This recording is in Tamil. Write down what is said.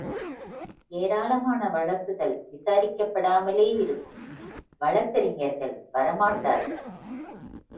ஏராளமான வழக்குகள் விசாரிக்கப்படாமலே இருக்கும், வழக்கறிஞர்கள் வரமாட்டார்கள்.